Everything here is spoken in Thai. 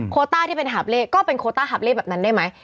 ต้าที่เป็นหาบเลขก็เป็นโคต้าหาบเล่แบบนั้นได้ไหม